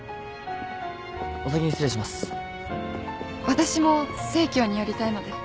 私も生協に寄りたいので。